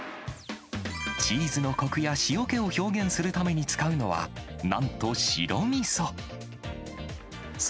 チーズのこくや塩気を表現するために使うのは、なんと白みそ。